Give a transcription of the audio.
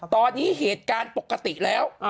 ตอนนี้เหตุการณ์ปกติแล้ว